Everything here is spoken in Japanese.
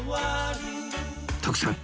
徳さん